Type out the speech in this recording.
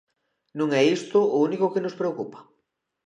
Non é isto o único que nos preocupa.